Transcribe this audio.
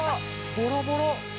ボロボロ！